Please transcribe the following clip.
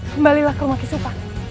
kembalilah ke rumah kisupan